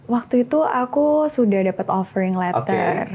waktu itu aku sudah dapat offering letter